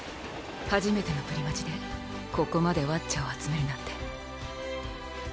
初めてのプリマジでここまでワッチャを集めるなんて。